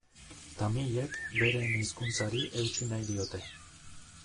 Tamilek beren hizkuntzari eutsi nahi diote.